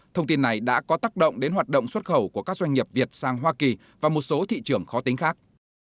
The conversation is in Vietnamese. thông tin này đã có tác động đến hoạt động xuất khẩu của các doanh nghiệp việt sang hoa kỳ và một số thị trường khó tính khác